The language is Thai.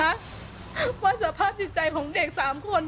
ว่าสภาพจิตใจของเด็ก๓คน